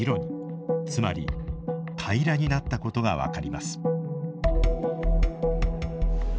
つまり平らになったことが分かります。